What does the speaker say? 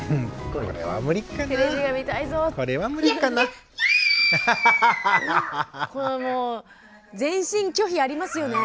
このもう全身拒否ありますよね。